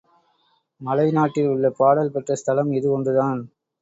மலை நாட்டில் உள்ள பாடல் பெற்ற ஸ்தலம் இது ஒன்றுதான்.